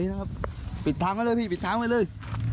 เมื่อเวลามันกลายเป้าหมาย